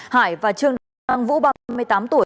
hải và trương đăng vũ ba mươi tám tuổi